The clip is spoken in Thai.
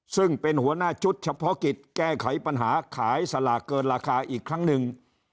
ซึ่งเป็นหัวหน้าชุดเฉพาะกิจแก้ไขปัญหาขายสลากเกินราคาอีกครั้งหนึ่ง